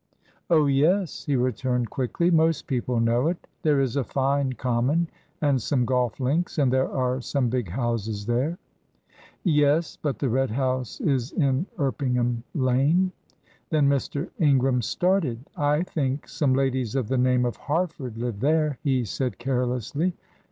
"Oh, yes," he returned, quickly. "Most people know it. There is a fine common, and some golf links, and there are some big houses there." "Yes; but the Red House is in Erpingham Lane." Then Mr. Ingram started. "I think some ladies of the name of Harford live there," he said, carelessly.